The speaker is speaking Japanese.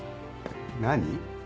何？